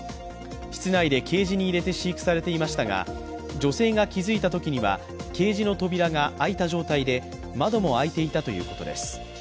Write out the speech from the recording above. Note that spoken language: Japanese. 室内でケージに入れて飼育されていましたが、女性が気づいたときにはケージの扉が開いた状態で窓も開いていたということです。